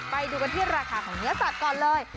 ไปดูกันที่ราคาของเนื้อสัตว์ก่อนเลย